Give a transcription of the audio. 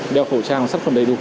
đeo khẩu trang sắt phần đầy đủ